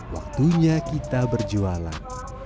waktunya kita berjualan